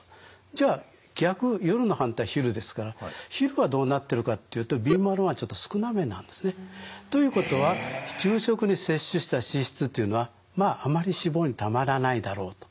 じゃあ逆夜の反対昼ですから昼はどうなってるかっていうとビーマル１ちょっと少なめなんですね。ということは昼食に摂取した脂質というのはまああまり脂肪に貯まらないだろうと。